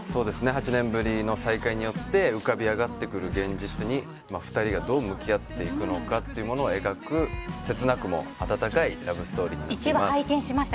８年ぶりの再会によって浮かび上がってくる現実に２人がどう向き合っていくのかというものを描く、切なくも温かいラブストーリーになっています。